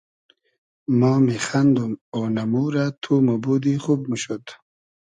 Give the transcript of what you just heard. ما میخئندوم اۉنئمو رۂ تو موبودی خوب موشود